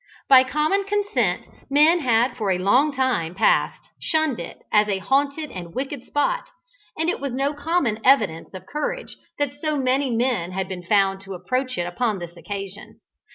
By common consent men had for a long time past shunned it as a haunted and wicked spot, and it was no common evidence of courage that so many men had been found to approach it upon this occasion.